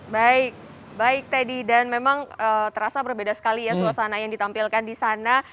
baik baik teddy dan memang terasa berbeda sekali ya suasana yang ditampilkan di sana